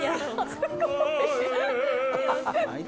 すごい！